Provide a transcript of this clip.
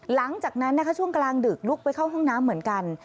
หลังจากนั้นนะคะช่วงกลางดึกลุกไปเข้าห้องน้ำเหมือนกัน